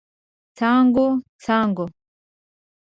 څانګو، څانګو